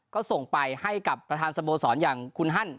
ก็ส่งไปให้กับประธานสโมสรอย่างคุณฮัน